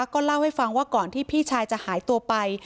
ก็เล่าให้ฟังว่าก่อนที่พี่ชายจะหายตัวไป